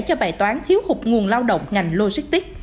cho bài toán thiếu hụt nguồn lao động ngành logistics